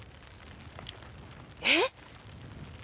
えっ！？